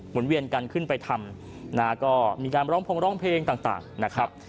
นเวียนกันขึ้นไปทำนะฮะก็มีการร้องพงร้องเพลงต่างนะครับ